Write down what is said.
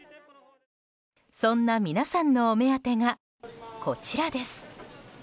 そんな皆さんのお目当てがこちらです。